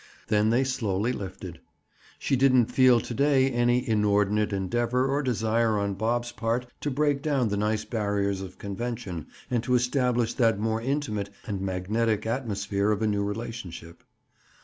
Then they slowly lifted. She didn't feel to day any inordinate endeavor or desire on Bob's part to break down the nice barriers of convention and to establish that more intimate and magnetic atmosphere of a new relationship.